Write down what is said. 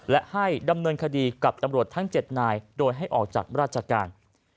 และให้ดำเนินคดีกับตำรวจทั้ง๗นายโดยให้ออกจากราชการ